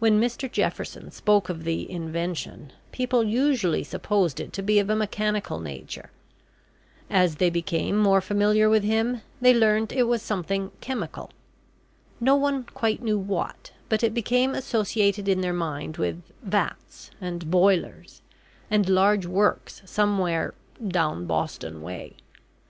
When Mr Jefferson spoke of the Invention, people usually supposed it to be of a mechanical nature. As they became more familiar with him, they learnt that it was something "Chemical." No one quite knew what, but it became associated in their minds with "vats" and "boilers," and large works somewhere "down Boston way."